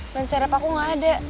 ban serap aku gak ada